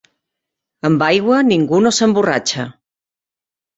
Amb aigua ningú no s'emborratxa.